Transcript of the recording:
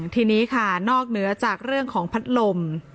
ทีนี้ค่ะนอกเหนือจากเรื่องของพัดลม